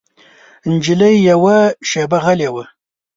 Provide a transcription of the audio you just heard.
نجلۍ يوه شېبه غلې وه.